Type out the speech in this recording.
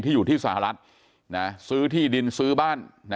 กลุ่มตัวเชียงใหม่